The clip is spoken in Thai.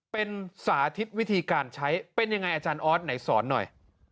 เป็นสาธิตวิธีการใช้เป็นยังไงอาจารย์ออสไหนสอนหน่อย